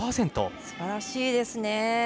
すばらしいですね。